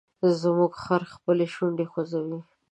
زموږ خر خپلې شونډې خوځوي.